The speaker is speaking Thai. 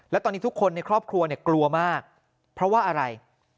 และตอนนี้ทุกคนในครอบครัวเนี่ยกลัวมากเพราะว่าอะไร